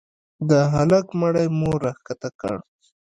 د هلك مړى مو راکښته کړ.